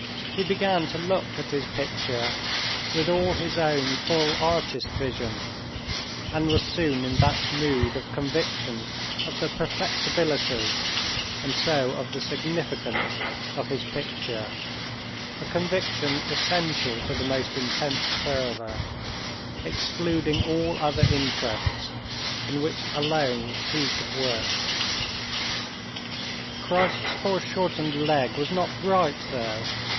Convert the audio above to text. He began to look at his picture with all his own full artist vision, and was soon in that mood of conviction of the perfectibility, and so of the significance, of his picture—a conviction essential to the most intense fervor, excluding all other interests—in which alone he could work. Christ's foreshortened leg was not right, though.